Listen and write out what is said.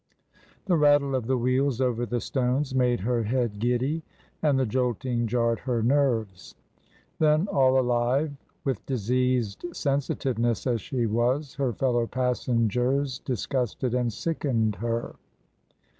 The rattle of the wheels over the stones made her head giddy, and the jolting jarred her nerves. Then, all alive]with diseased sensitiveness as she was, her fellow passengers disgusted and sickened her.